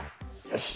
よし！